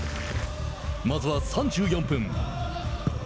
まずは３４分。